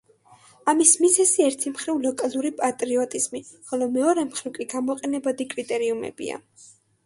ამის მიზეზი ერთი მხრივ ლოკალური პატრიოტიზმი, ხოლო მეორე მხრივ კი გამოყენებადი კრიტერიუმებია.